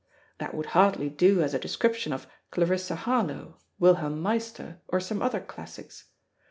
That would hardly do as a description of Clarissa Harlowe, Wilhelm Meister, or some other classics.